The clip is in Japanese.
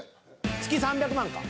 月３００万か。